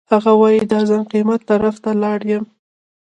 هغه وایي د ارزان قیمت طرف ته لاړ یم.